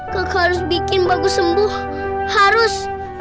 kau harus bikin bagus sembuh harus